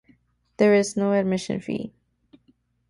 There is no admission fee.